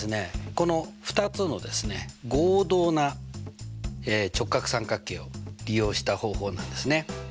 この２つの合同な直角三角形を利用した方法なんですね。